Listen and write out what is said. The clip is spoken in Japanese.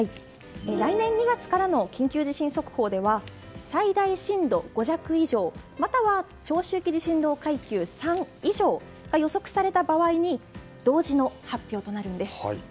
来年２月からの緊急地震速報では最大震度５弱以上または長周期地震動階級３以上が予測された場合に同時の発表となるんです。